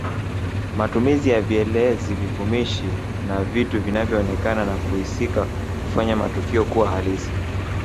Matumizi ya vielezi vivumishi na vitu vinavyoonekana na kusikika hufanya matukio kuwa halisi